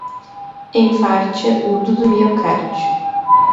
Enfarte Agudo do Miocárdio.